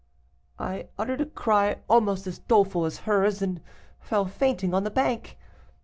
"I uttered a cry almost as doleful as hers, and fell fainting on the bank.